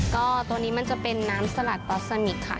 ก็ตัวนี้มันจะเป็นน้ำสลัดปอสซานิกค่ะ